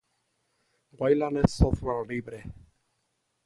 Wayland es software libre.